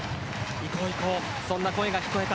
いこう、いこうそんな声が聞こえた。